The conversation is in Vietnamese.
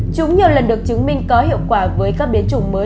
chúng nhiều lần được chứng minh có hiệu quả với các biến chủng mới